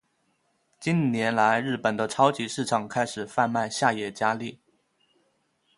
近年来日本的超级市场开始贩卖下野家例。